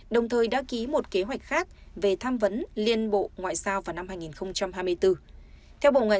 đồng thời đã ký một kế hoạch khác về tham vấn liên bộ ngoại giao vào năm hai nghìn hai mươi bốn